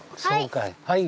はい。